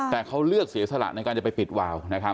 แต่เขาเลือกเสียสละในการจะไปปิดวาว